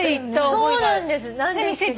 そうなんです。